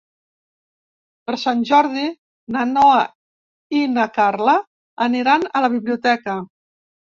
Per Sant Jordi na Noa i na Carla aniran a la biblioteca.